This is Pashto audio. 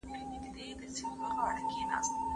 زه اجازه لرم چي مينه وښيم؟!